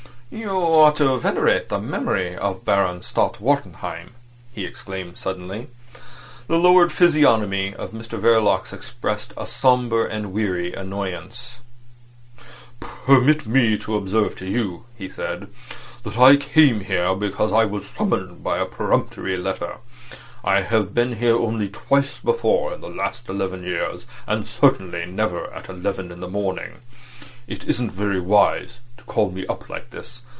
"You ought to venerate the memory of Baron Stott Wartenheim," he exclaimed suddenly. The lowered physiognomy of Mr Verloc expressed a sombre and weary annoyance. "Permit me to observe to you," he said, "that I came here because I was summoned by a peremptory letter. I have been here only twice before in the last eleven years, and certainly never at eleven in the morning. It isn't very wise to call me up like this.